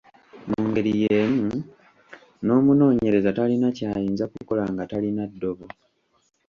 Mu ngeri y’emu, n’omunoonyereza talina ky’ayinza kukola nga talina ddobo.